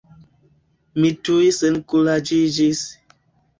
Mi tuj senkuraĝiĝis.